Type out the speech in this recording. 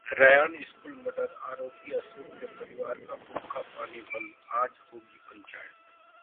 Ryan school murder आरोपी अशोक के परिवार का हुक्का-पानी बंद, आज होगी पंचायत